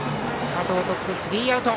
加藤とってスリーアウト。